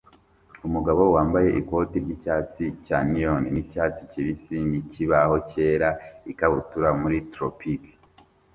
Umugabo wambaye ikoti ryicyatsi cya neon nicyatsi kibisi n'ikibaho cyera ikabutura muri tropique